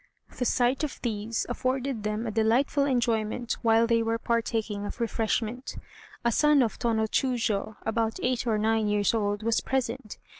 The sight of these afforded them a delightful enjoyment while they were partaking of refreshment. A son of Tô no Chiûjiô, about eight or nine years old, was present.